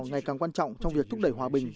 ngày càng quan trọng trong việc thúc đẩy hòa bình